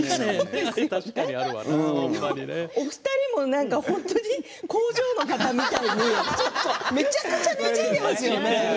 確かにあるわなお二人も工場の方みたいにめちゃくちゃなじんでますよね。